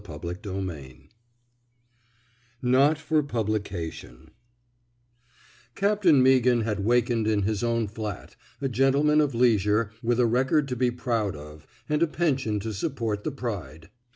Git I" 279 NOT FOB PUBLICATION CAPTAIN MEAGHAN had wakened in his own flat, a gentleman of leisure with a record to be prond of and a pension to support the pride.